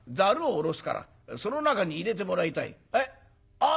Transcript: ああ